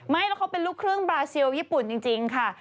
ไม่แล้วเขาเป็นลูกครึ่งบราซิลญี่ปุ่นจริงค่ะ